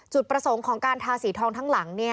จุดประสงค์ของการทาสีทองทั้งหลัง